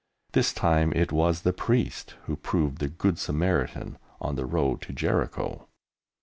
This time it was the Priest who proved the Good Samaritan on the road to Jericho.